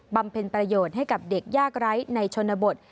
ำเพ็ญประโยชน์ให้กับเด็กยากไร้ในชนบท